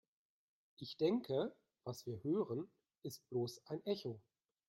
Ich denke, was wir hören, ist bloß ein Echo.